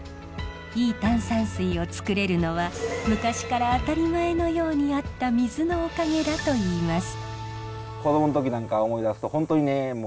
いい炭酸水をつくれるのは昔から当たり前のようにあった水のおかげだといいます。